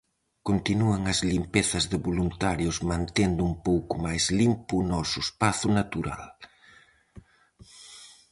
Continúan as limpezas de voluntarios mantendo un pouco máis limpo o noso espazo natural.